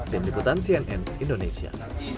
tim diputan cnn indonesia